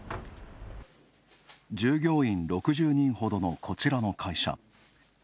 従業員６０人ほどのこちらの会社。